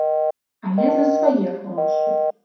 Але за свае грошы.